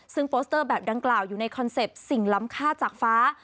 ซึ่งโปสเตอร์แบบดังกล่าวอยู่ในคอนเซ็ปต์สิ่งล้ำค่าจากฟ้า